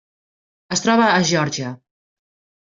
Es troba a Geòrgia: